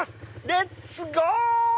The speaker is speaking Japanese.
レッツゴー！